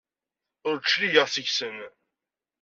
Ur d-cligeɣ seg-sen.